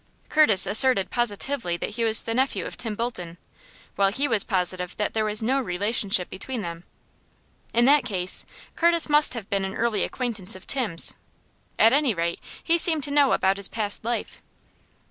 Curtis asserted positively that he was the nephew of Tim Bolton, while he was positive that there was no relationship between them. In that case Curtis must have been an early acquaintance of Tim's. At any rate, he seemed to know about his past life.